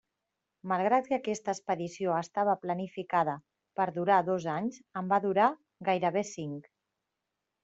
Malgrat que aquesta expedició estava planificada per durar dos anys en va durar gairebé cinc.